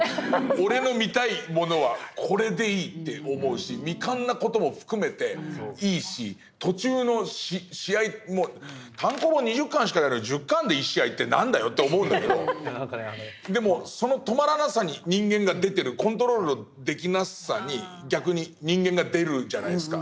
俺の見たいものはこれでいいって思うし未完な事も含めていいし途中の試合も単行本２０巻しかないのに１０巻で１試合って何だよって思うんだけどでもその止まらなさに人間が出てるコントロールできなさに逆に人間が出るじゃないですか。